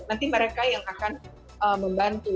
nanti mereka yang akan membantu